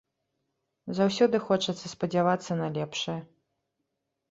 Заўсёды хочацца спадзявацца на лепшае.